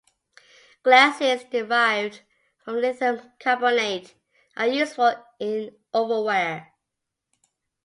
Glasses derived from lithium carbonate are useful in ovenware.